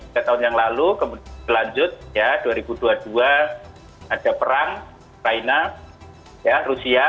setahun yang lalu kemudian berlanjut ya dua ribu dua puluh dua ada perang ukraina rusia